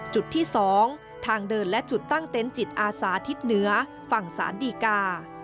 จุดที่๒ทางเดินและจุดตั้งเต็นต์จิตอาสาทิศเหนือฝั่งสารดีกา